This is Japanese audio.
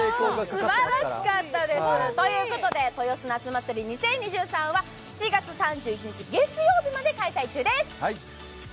すばらしかったです、ということでとよす夏まつり２０２３は７月３１日月曜日まで開催中です。